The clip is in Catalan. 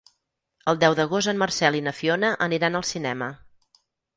El deu d'agost en Marcel i na Fiona aniran al cinema.